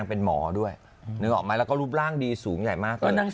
เป็นหมอด้วยนึกออกไหมแล้วก็รูปร่างดีสูงใหญ่มากตอนนั้น